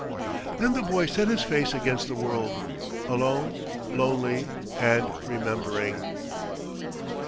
Then the boy set his face against the world: alone, lonely, and remembering.